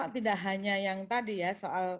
tidak hanya yang tadi ya soal